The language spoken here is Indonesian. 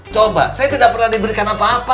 coba saya tidak pernah diberikan apa apa